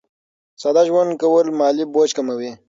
ساده ژوند کول مالي بوج کموي.